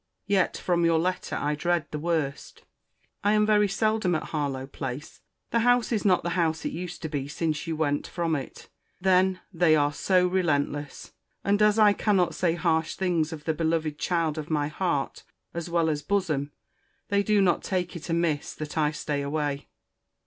—Yet, from your letter, I dread the worst. I am very seldom at Harlowe place. The house is not the house it used to be, since you went from it. Then they are so relentless! And, as I cannot say harsh things of the beloved child of my heart, as well as bosom, they do not take it amiss that I stay away.